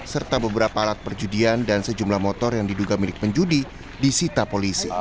serta beberapa alat perjudian dan sejumlah motor yang diduga milik penjudi disita polisi